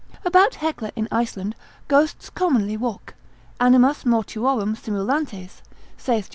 About Hecla, in Iceland, ghosts commonly walk, animas mortuorum simulantes, saith Joh.